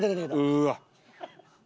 うわっ。